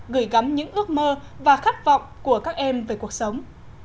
gửi gắm những ước mơ và khát vọng của các em về cuộc sống